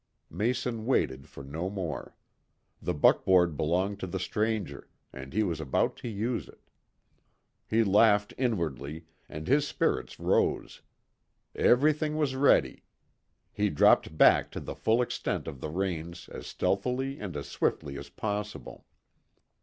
Mason waited for no more. The buckboard belonged to the stranger, and he was about to use it. He laughed inwardly, and his spirits rose. Everything was ready. He dropped back to the full extent of the reins as stealthily and as swiftly as possible.